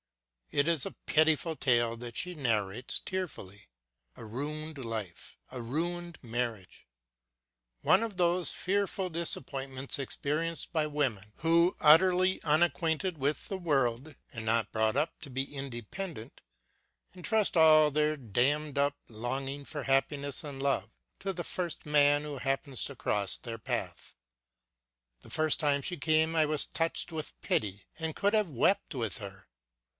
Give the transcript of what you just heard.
It is a pitiful tale that she narrates tearfully. A ruined life, a ruined marriage ! One of those fearful disappointments experienced by women who, utterly unacquainted with the world, and not brought up to be independent, entrust all their dammed up longing for happiness and love to the first man who happens to cross their path. The first time she came I was touched with pity and could have wept with her.